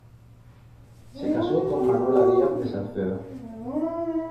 Se casó con Manuela Díaz de Salcedo.